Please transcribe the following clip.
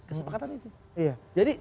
kesepakatan itu jadi